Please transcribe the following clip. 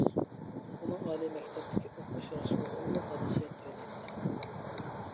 ئۇنىڭ ئالىي مەكتەپتىكى ئوقۇش راسخوتىنىمۇ دادىسى تۆلەيتتى.